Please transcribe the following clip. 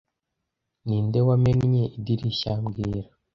Ninde wamennye idirishya mbwira